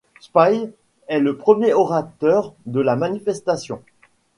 Spies est le premier orateur de la manifestation.